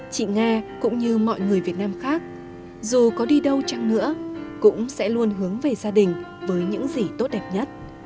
chị nga cũng như mọi người việt nam khác dù có đi đâu chăng nữa cũng sẽ luôn hướng về gia đình với những gì tốt đẹp nhất